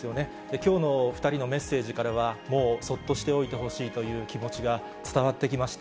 きょうの２人のメッセージからは、もう、そっとしておいてほしいという気持ちが伝わってきました。